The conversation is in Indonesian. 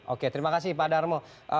oke terima kasih pak darmo